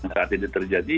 saat ini terjadi